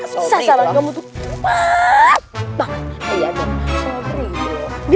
sasaran kamu tuh pah